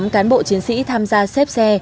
bảy mươi tám cán bộ chiến sĩ tham gia xếp xe